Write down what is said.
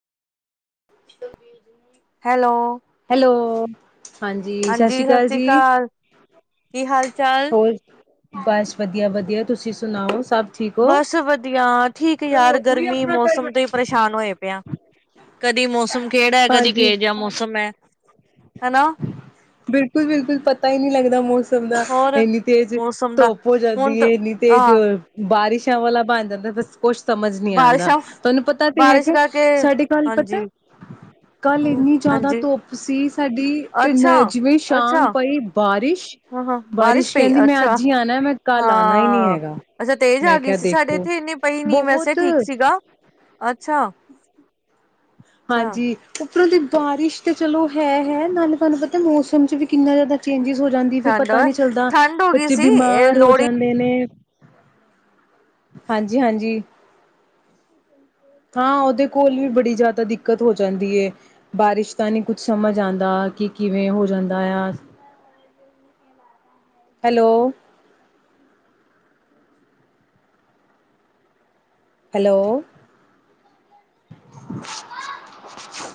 Hello hello ਹ ਹਾਂਜੀ ਸਤਿ ਸ੍ਰੀ ਅਕਾਲ ਕੀ ਹਾਲ ਚਾਲ ਹੋਰ ਬਸ ਵਧੀਆ ਵਧੀਆ ਤੁਸੀਂ ਸੁਣਾਓ ਸਭ ਠੀਕ ਹੋ ਬਸ ਵਧੀਆ ਠੀਕ ਯਾਰ ਗਰਮੀ ਮੌਸਮ ਤੋਂ ਹੀ ਪਰੇਸ਼ਾਨ ਹੋਏ ਪਿਆ ਕਦੀ ਮੌਸਮ ਕਿਹੜਾ ਹੈ। ਕਦੀ ਹਾਂਜੀ ਕਿ ਜਿਹਾ ਮੌਸਮ ਹੈ। ਹਨਾ ਬਿਲਕੁਲ ਬਿਲਕੁਲ ਪਤਾ ਹੀ ਨਹੀਂ ਲੱਗਦਾ ਮੌਸਮ ਦਾ ਹੋਰ ਇੰਨੀ ਤੇਜ਼ ਮੌਸਮ ਦਾ ਧੁੱਪ ਹੋ ਹੁਣ ਜਾਂਦੀ ਤਾਂ ਹੈ ਇੰਨੀ ਤੇਜ਼ ਹਾਂ ਬਾਰਿਸ਼ਾਂ ਵਾਲਾ ਬਣ ਜਾਂਦਾ ਤਾਂ ਕੁਛ ਸਮਝ ਨਹੀਂ ਆਉਂਦਾ ਬਾਰਿਸ਼ਾਂ ਤੁਹਾਨੂੰ ਪਤਾ ਤੇ ਬਾਰਿਸ਼ ਹੈਗਾ ਕਰਕੇ ਸਾਡੇ ਕੱਲ ਪਤਾ ਹਾਂਜੀ ਕੱਲ ਹ ਇੰਨੀ ਜ਼ਿਆਦਾ ਹਾਂਜੀ ਧੁੱਪ [unintelligible] ਸਾਡੀ ਤੇ ਅੱਛਾ ਨ ਜਿਵੇਂ ਅੱਛਾ ਸ਼ਾਮ ਪਈ ਬਾਰਿਸ਼ ਹਾਂ ਹਾਂ ਬਾਰਿਸ਼ ਪਈ ਕਹਿੰਦੀ ਮੈਂ ਅੱਛਾ ਅੱਜ ਹੀ ਆਉਣਾ ਮੈਂ ਕੱਲ ਆਉਣਾ ਹੀ ਨਹੀਂ ਹਾਂ ਹੈਗਾ ਅੱਛਾ ਤੇਜ਼ ਮੈਂ ਆ ਗਈ ਕਿਹਾ ਸੀ। ਸਾਡੇ ਦੇਖੋ ਇੱਥੇ ਇਨੇ ਪਈ ਨੀ ਵੈਸੇ ਠੀਕ ਬਹੁਤ ਸੀਗਾ ਅੱਛਾ। ਅੱਛਾ ਹਾਂਜੀ ਰ ਦੀ ਬਾਰਿਸ਼ ਤੇ ਚਲੋ ਹੈ ਹੈ ਨਾਲੇ ਤੁਹਾਨੂੰ ਪਤਾ ਮੌਸਮ ਚ ਵੀ ਕਿੰਨਾ ਜ਼ਿਆਦਾ ਚੇਂਜਿਸ ਹੋ ਜਾਂਦੀ ਫੇਰ ਠੰਡ ਪਤਾ ਨਹੀਂ ਚੱਲਦਾ ਠੰਡ ਹੋ ਗਈ ਬੱਚੇ ਸੀ ਇਹ ਬਿਮਾਰ ਹੋ ਲੋਹੜੀ ਜਾਂਦੇ ਨੇ ਹਾਂਜੀ ਹਾਂਜੀ ਹਾਂ ਉਹਦੇ ਕੋਲ ਵੀ ਬੜੀ ਜ਼ਿਆਦਾ ਦਿੱਕਤ ਹੋ ਜਾਂਦੀ ਹੈ ਬਾਰਿਸ਼ ਤਾਂ ਨਹੀਂ ਕੁਛ ਸਮਝ ਆਉਂਦਾ ਕਿ ਕਿਵੇਂ ਹੋ ਜਾਂਦਾ ਆ ਹੈਲੋ ਹੈਲੋ